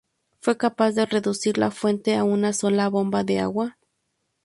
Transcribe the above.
Fue capaz de reducir la fuente a una sola bomba de agua.